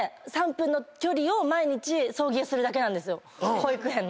保育園の。